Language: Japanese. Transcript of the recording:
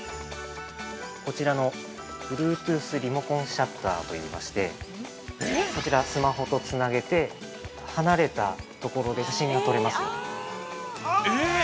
◆こちら、Ｂｌｕｅｔｏｏｔｈリモコンシャッターと言いましてこちら、スマホとつなげて離れたところで写真が撮れますよという。